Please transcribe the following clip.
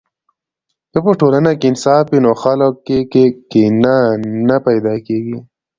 که په ټولنه کې انصاف وي، نو خلکو کې کینه نه پیدا کیږي.